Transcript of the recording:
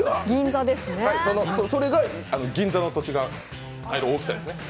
それが銀座の土地が買える大きさですね。